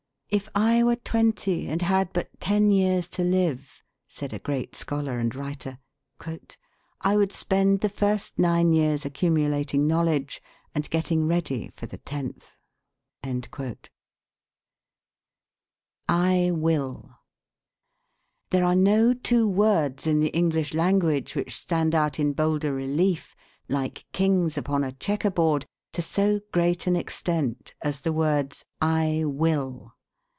"If I were twenty, and had but ten years to live," said a great scholar and writer, "I would spend the first nine years accumulating knowledge and getting ready for the tenth." "I WILL." "There are no two words in the English language which stand out in bolder relief, like kings upon a checker board, to so great an extent as the words 'I will.'